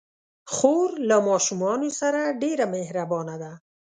خور له ماشومانو سره ډېر مهربانه ده.